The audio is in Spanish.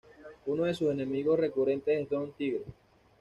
Uno de sus enemigos recurrentes es Don Tigre.